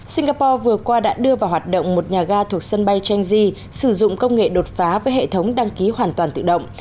singapore vừa qua đã đưa vào hoạt động một nhà ga thuộc sân bay changi sử dụng công nghệ đột phá với hệ thống đăng ký hoàn toàn tự động